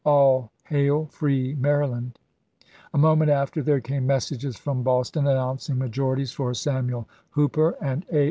All hail, free Maryland !" A moment after there came messages from Boston announcing majorities for Samuel Hooper and A.